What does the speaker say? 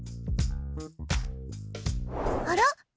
あら？